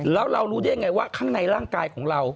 แล้วเรารู้ได้ยังไงว่าข้างในร่างกายของเรา